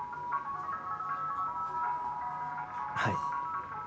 はい。